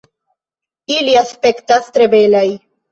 Ili aspektas tre belaj.